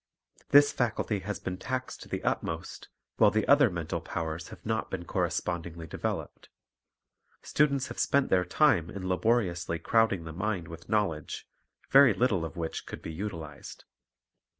This faculty has been taxed to the utmost, while the ' other mental powers have not been correspondingly developed. Students have spent their time in laboriously crowding the mind with knowledge, very little of which could be utilized.